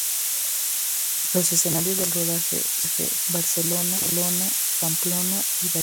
Los escenarios del rodaje son Barcelona, Pamplona y Bayona.